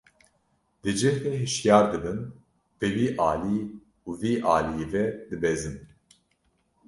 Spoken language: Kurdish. Di cih de hişyar dibin, bi wî alî û vî aliyî ve dibezin.